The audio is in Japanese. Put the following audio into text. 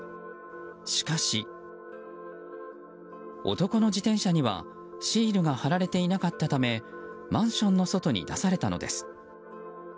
しかし、男の自転車にはシールが貼られていなかったためマンションの外に出されたのです。